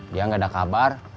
dia gak ada kabar